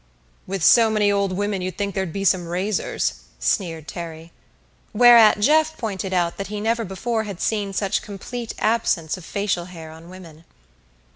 "With so many old women you'd think there'd be some razors," sneered Terry. Whereat Jeff pointed out that he never before had seen such complete absence of facial hair on women.